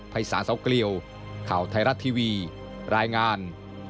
ภัยสาสาวกรีวข่าวไทยรัฐทีวีรายงาน